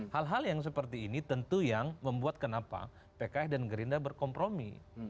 hal hal yang seperti ini tentu yang membuat kenapa pks dan gerinda berkompromi